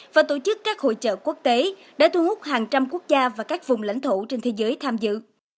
và tổ chức các hội trợ quốc tế đã thu hút hàng trăm quốc gia và các vùng lãnh thổ trên thế giới tham dự